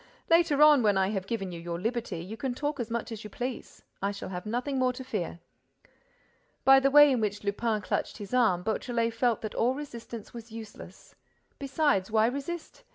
Later on, when I have given you your liberty, you can talk as much as you please—I shall have nothing more to fear." By the way in which Lupin clutched his arm, Beautrelet felt that all resistance was useless. Besides, why resist?